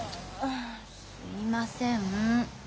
すいません。